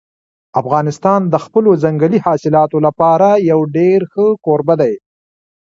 افغانستان د خپلو ځنګلي حاصلاتو لپاره یو ډېر ښه کوربه دی.